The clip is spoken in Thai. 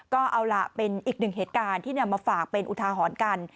ก็เอาล่ะเป็นอีกหนึ่งเหตุการณ์ที่นำมาฝากเป็นอุทาหรณ์กัน